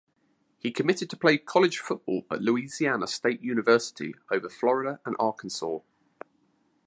He committed to play college football at Louisiana State University over Florida and Arkansas.